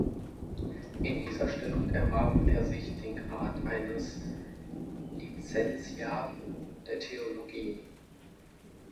In dieser Stellung erwarb er sich den Grad eines Lizenziaten der Theologie.